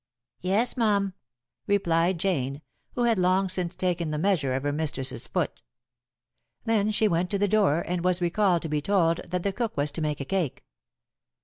"Yes, mum," replied Jane, who had long since taken the measure of her mistress's foot. Then she went to the door, and was recalled to be told that the cook was to make a cake.